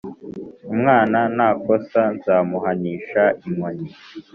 umwana Nakosa nzamuhanisha inkoni